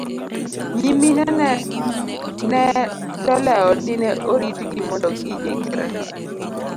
nyiminene ne do lewo dine oritgi mondo gi ikre